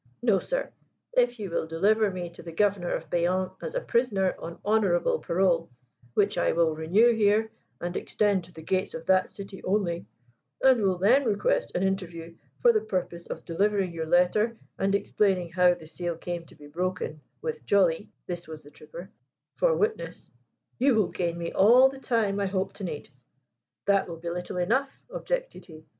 No, sir, if you will deliver me to the Governor of Bayonne as a prisoner on honourable parole which I will renew here and extend to the gates of that city only and will then request an interview for the purpose of delivering your letter and explaining how the seal came to be broken, with Joly' this was the trooper 'for witness, you will gain me all the time I hope to need.' 'That will be little enough,' objected he.